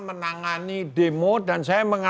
menangani demo dan saya